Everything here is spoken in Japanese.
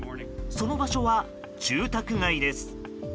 その場所は住宅街です。